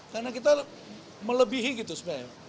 karena kita melebihi gitu sebenarnya